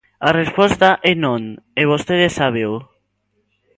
A resposta é non, e vostede sábeo.